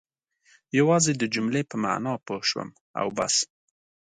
یوازې د جملې په معنا پوه شوم او بس.